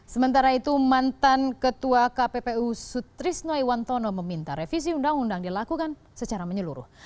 sementara itu mantan ketua kppu sutrisno iwantono meminta revisi undang undang dilakukan secara menyeluruh